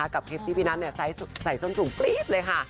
กับคลิปที่พี่นัทใส่ส้นสูงกรี๊ดเลยค่ะ